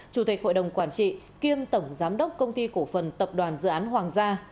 chủ tịch hội đồng quản trị kiêm tổng giám đốc công ty cổ phần tập đoàn dự án hoàng gia